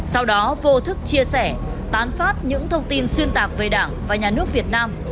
sau đó vô thức chia sẻ tán phát những thông tin xuyên tạc về đảng và nhà nước việt nam